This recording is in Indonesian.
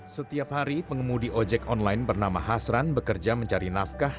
setiap hari pengemudi ojek online bernama hasran bekerja mencari nafkah